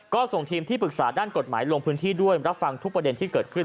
ก็ส่งทีมที่ปรึกษาด้านกฎหมายลงพื้นที่ด้วยรับฟังทุกประเด็นที่เกิดขึ้น